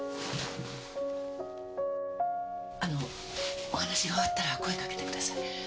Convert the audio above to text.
あのお話が終わったら声かけてください。